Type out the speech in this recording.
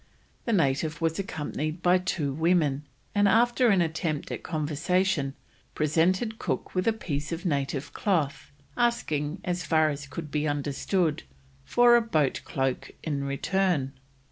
The native was accompanied by two women, and after an attempt at conversation, presented Cook with a piece of native cloth, asking, as far as could be understood, for a boat cloak in return.